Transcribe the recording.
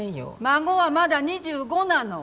孫はまだ２５なの。